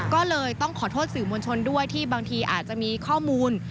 ก็เลยต้องขอโทษสื่อมวลชนด้วยที่บางทีอาจจะมีข้อมูล